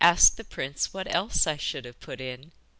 Ask the prince what else I should have put in.